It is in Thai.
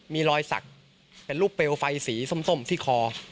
มีรอยสักเป็นรูปเปลวไฟสีส้มที่คอ